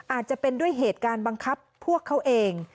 อาจจะเป็นด้วยเหตุการณ์บังคับพวกเขาเอง